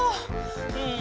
うん。